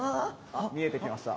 見えてきました。